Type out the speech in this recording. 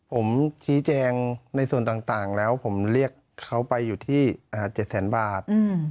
ผมชี้แจงในส่วนต่างแล้วผมเรียกเขาไปอยู่ที่๗แสนบาท